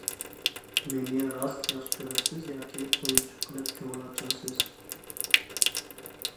مېنى راست ياخشى كۆرەمسىز ياكى ئويۇنچۇق قىلىپ كۆڭۈل ئاچامسىز؟